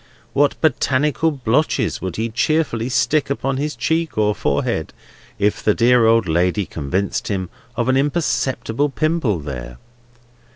What botanical blotches would he cheerfully stick upon his cheek, or forehead, if the dear old lady convicted him of an imperceptible pimple there!